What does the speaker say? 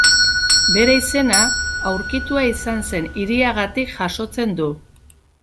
Bere izena, aurkitua izan zen hiriagatik jasotzen du.